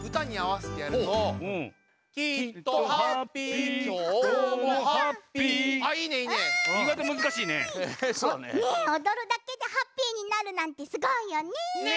わあすごい！おどるだけでハッピーになるなんてすごいよね！